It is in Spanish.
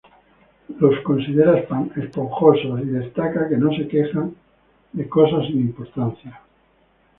Los considera "esponjosos" y destaca que "no se quejan de cosas sin importancia".